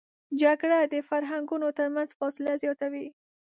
جګړه د فرهنګونو تر منځ فاصله زیاتوي